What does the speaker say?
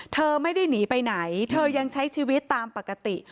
เธอไม่ได้หนีไปไหนเธอยังใช้ชีวิตตามปกติ